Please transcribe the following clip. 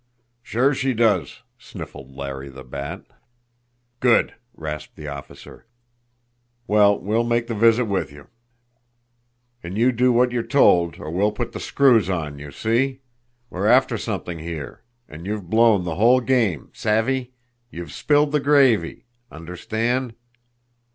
"Sure she does!" sniffled Larry the Bat. "Good!" rasped the officer. "Well, we'll make the visit with you. And you do what you're told, or we'll put the screws on you see? We're after something here, and you've blown the whole game savvy? You've spilled the gravy understand?"